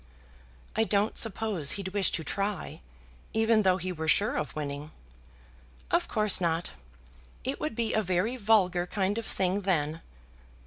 "I don't suppose he'd wish to try, even though he were sure of winning." "Of course not. It would be a very vulgar kind of thing then.